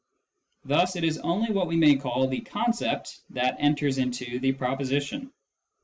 Thus it is only what we may call the concept that enters into the proposition.